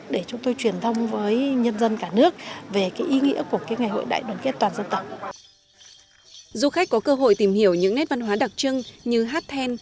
du khách có cơ hội tìm hiểu những nét văn hóa đặc trưng như hát then